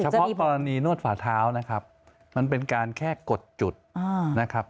เพาะกรณีนวดฝ่าเท้านะครับมันเป็นการแค่กดจุดนะครับ